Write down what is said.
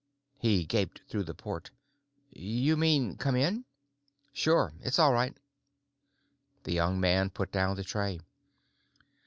He gaped through the port. "You mean come in?" "Sure. It's all right." The young man put down the tray.